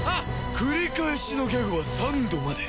繰り返しのギャグは３度まで。